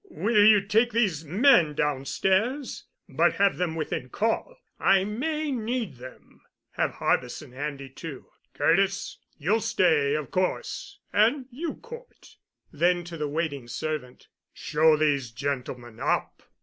Will you take these men downstairs? But have them within call—I may need them. Have Harbison handy, too. Curtis, you'll stay, of course—and you, Cort." Then to the waiting servant, "Show these gentlemen up."